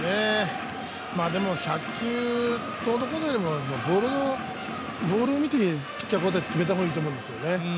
でも１００球どうのこうのよりも、ボールを見てピッチャー交代って、決めた方がいいと思うんですよね。